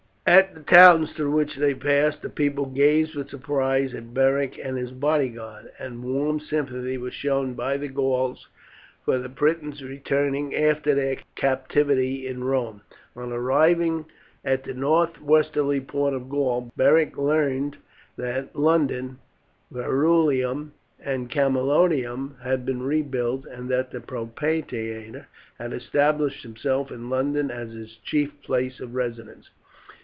At the towns through which they passed the people gazed with surprise at Beric and his bodyguard, and warm sympathy was shown by the Gauls for the Britons returning after their captivity in Rome. On arriving at the northwesterly port of Gaul, Beric learned that London, Verulamium, and Camalodunum had been rebuilt, and that the propraetor had established himself in London as his chief place of residence.